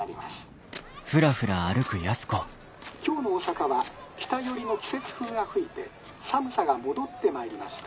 「今日の大阪は北よりの季節風が吹いて寒さが戻ってまいりました。